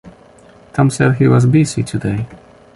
Tom said he was busy today.